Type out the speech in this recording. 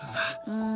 うん。